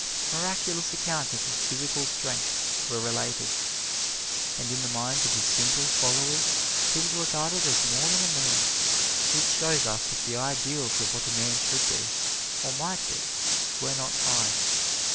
Miraculous accounts of his physical strength were related, and in the minds of his simple followers he was regarded as more than a man, which shows us that the ideals of what a man should be, or might be, were not high.